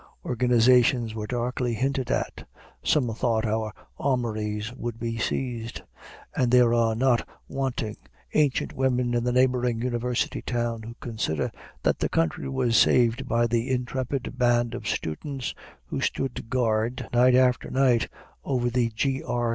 Organizations were darkly hinted at; some thought our armories would be seized; and there are not wanting ancient women in the neighboring University town who consider that the country was saved by the intrepid band of students who stood guard, night after night, over the G. R.